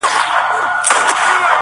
پېړۍ واوښتې قرنونه دي تېریږي!!